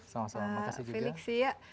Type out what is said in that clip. sama sama terima kasih juga